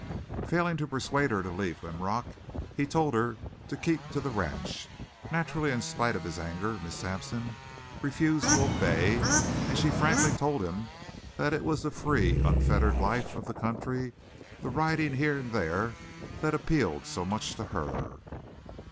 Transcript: Failing to persuade her to leave Linrock, he told her to keep to the ranch. Naturally, in spite of his anger, Miss Sampson refused to obey; and she frankly told him that it was the free, unfettered life of the country, the riding here and there that appealed so much to her.